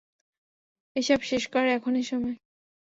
এসব শেষ করার এখনই সময়।